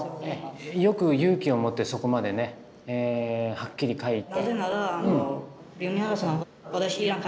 よく勇気をもってそこまでねはっきり書いて。